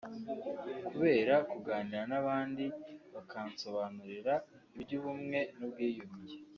kubera kuganira n’abandi bakansobanurira iby’ubumwe n’ubwiyunge”